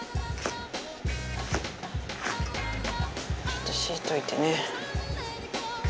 ちょっと敷いといてね。